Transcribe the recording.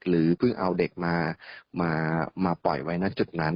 หรือเพิ่งเอาเด็กมาปล่อยไว้ณจุดนั้น